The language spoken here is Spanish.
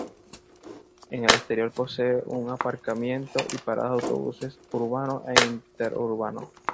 En el exterior posee un aparcamiento y paradas de autobuses urbanos e interurbanos.